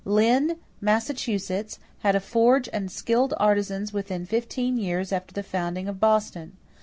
Lynn, Massachusetts, had a forge and skilled artisans within fifteen years after the founding of Boston.